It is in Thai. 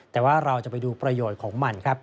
แต่ว่าเราจะไปดูประโยชน์ของมันครับ